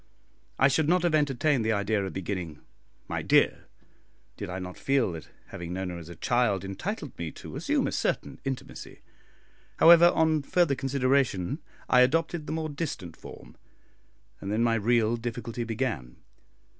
I should not have entertained the idea of beginning "My dear," did I not feel that having known her as a child entitled me to assume a certain intimacy. However, on further consideration, I adopted the more distant form, and then my real difficulty began.